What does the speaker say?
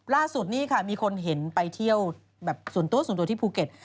ล่าสุดนี่ค่ะมีคนเห็นไปเที่ยวแบบส่วนตัวส่วนตัวที่ภูเก็ต